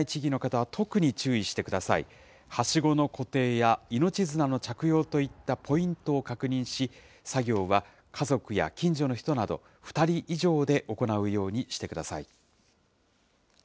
はしごの固定や命綱の着用といったポイントを確認し、作業は家族や近所の人など、２人以上で行うようにしてください。